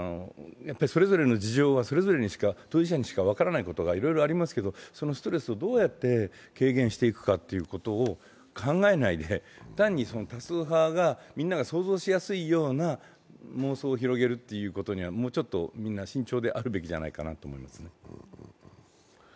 それぞれの事情はそれぞれの当事者にしか分からないことはいろいろありますけど、そのストレスをどうやって軽減していくかっていうことを考えないで単に多数派がみんなが想像しやすいような妄想を広げることにはもうちょっとみんな、慎重であるべきじゃないかと思います。